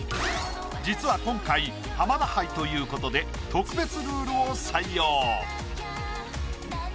実は今回浜田杯ということで特別ルールを採用。